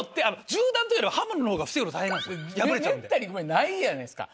めったにないやないですか